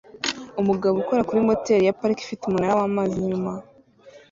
Umugabo ukora kuri moteri ya parike ifite umunara wamazi inyuma